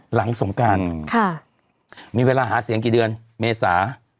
หลังสงการมีเวลาหาเสียงกี่เดือนเมษา